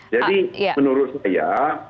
jadi menurut saya